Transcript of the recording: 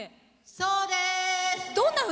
そうでーす！